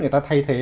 người ta thay thế